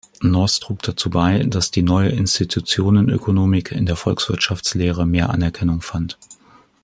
North trug dazu bei, dass die Neue Institutionenökonomik in der Volkswirtschaftslehre mehr Anerkennung fand.